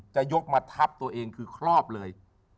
จะยกมาทับตัวเองคือครอบเลย